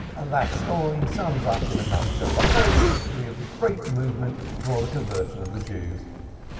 "That story sums up in a nutshell the whole history of the great movement for the conversion of the Jews.